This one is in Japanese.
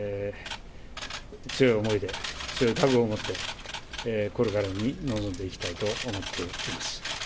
強い思いで、強い覚悟を持って、これからに臨んでいきたいと思っています。